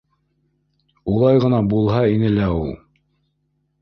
Улай ғына булһа ине лә ул!